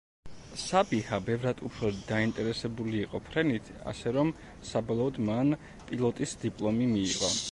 საბიჰა ბევრად უფრო დაინტერესებული იყო ფრენით, ასე რომ, საბოლოოდ მან პილოტის დიპლომი მიიღო.